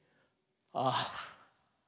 「ああ」。